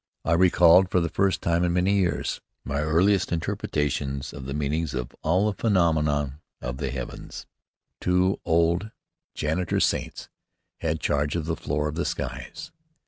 I recalled, for the first time in many years, my earliest interpretations of the meanings of all the phenomena of the heavens. Two old janitor saints had charge of the floor of the skies.